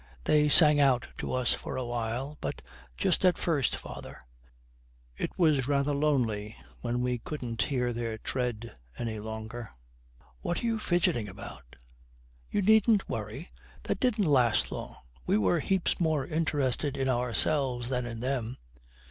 They sang out to us for a while; but just at first, father, it was rather lonely when we couldn't hear their tread any longer. What are you fidgeting about? You needn't worry; that didn't last long; we were heaps more interested in ourselves than in them.